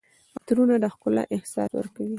عطرونه د ښکلا احساس ورکوي.